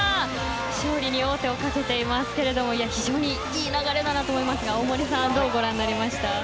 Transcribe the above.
勝利に王手をかけていますが非常にいい流れだなと思いますが大森さんどうご覧になりました？